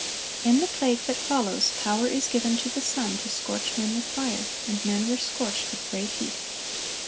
In the plague that follows, power is given to the sun "to scorch men with fire. And men were scorched with great heat."